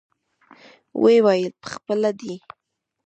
ويې ويل پخپله دى.